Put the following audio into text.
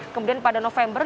kemudian pada november